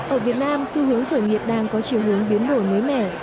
ở việt nam xu hướng khởi nghiệp đang có chiều hướng biến đổi mới mẻ